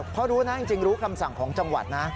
เพราะรู้นะจริงรู้คำสั่งของจังหวัดนะ